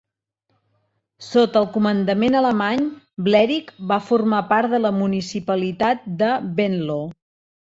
Sota el comandament alemany, Blerick va formar part de la municipalitat de Venlo.